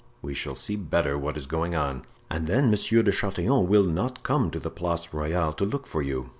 We shall see better what is going on." "And then Monsieur de Chatillon will not come to the Place Royale to look for you.